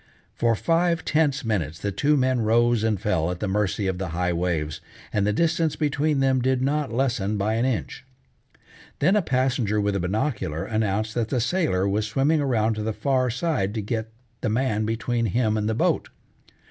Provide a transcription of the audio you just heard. For five tense minutes the two men rose and fell at the mercy of the high waves, and the distance between them did not lessen by an inch. Then a passenger with a binocular announced that the sailor was swimming around to the far side to get the man between him and the boat.